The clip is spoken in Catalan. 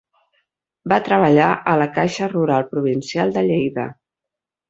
Va treballar a la Caixa Rural Provincial de Lleida.